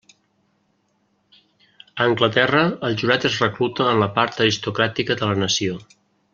A Anglaterra el jurat es recluta en la part aristocràtica de la nació.